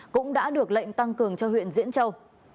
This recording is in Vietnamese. cũng đã được lệnh tăng cường cho huyện diễn châu